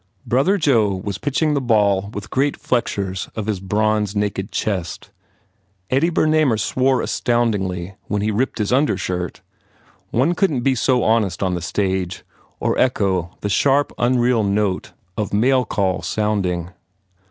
Brother Joe was pitching the ball with great flexures of his bronze, naked chest. Eddie Bernamer swore astoundingly when he ripped his undershirt. One couldn t be so honest on the stage or echo the sharp, unreal note of 24 HE PROGRESSES mail call sounding.